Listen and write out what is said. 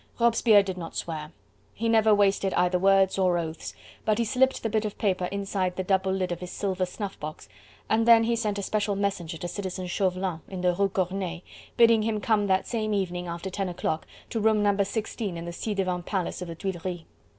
Robespierre did not swear. He never wasted either words or oaths, but he slipped the bit of paper inside the double lid of his silver snuff box and then he sent a special messenger to Citizen Chauvelin in the Rue Corneille, bidding him come that same evening after ten o'clock to room No. 16 in the ci devant Palace of the Tuileries.